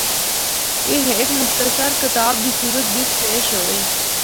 اے ہک مختصر کتاب دی صورت بچ پیش ہوے۔